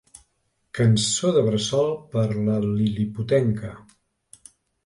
Cançó de bressol per a la lil·liputenca.